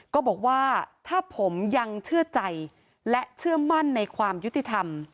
ก็บอกว่าถ้าผมยังเชื่อใจและเชื่อมั่นในความยุติธรรม